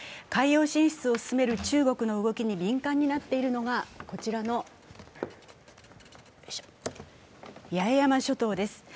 海洋進出を進める中国の動きに敏感になっているのが、こちらの八重山諸島です。